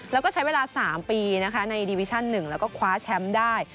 แล้วก็ใช้เวลา๓ปีนะคะในดิวิชั่น๑แล้วก็คว้าแชมป์ได้